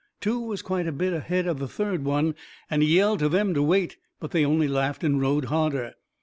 Two was quite a bit ahead of the third one, and he yelled to them to wait. But they only laughed and rode harder.